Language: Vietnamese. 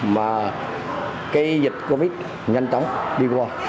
mà cái dịch covid nhanh chóng đi qua